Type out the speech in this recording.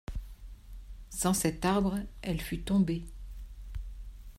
Sans cet arbre, elle fût tombée.